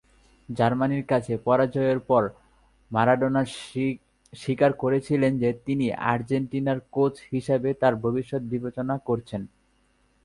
জার্মানির কাছে পরাজয়ের পর মারাদোনা স্বীকার করেছিলেন যে তিনি আর্জেন্টিনার কোচ হিসেবে তার ভবিষ্যৎ বিবেচনা করছেন।